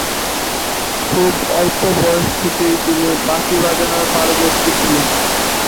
খুব অল্প বয়স থেকেই তিনি বাঁশি বাজানোর পারদর্শী ছিলেন।